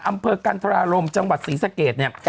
อำเภอกันธรารมจังหวัดศรีสะเกดเนี่ย